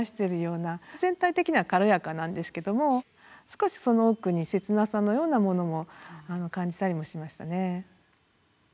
全体的には軽やかなんですけども少しその奥に切なさのようなものも感じたりもしましたね。